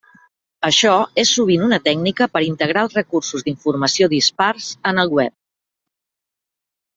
Això és sovint una tècnica per integrar els recursos d'informació dispars en el web.